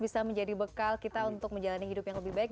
bisa menjadi bekal kita untuk menjalani hidup yang lebih baik